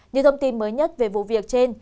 những thông tin mới nhất về vụ việc trên